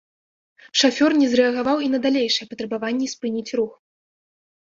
Шафёр не зрэагаваў і на далейшыя патрабаванні спыніць рух.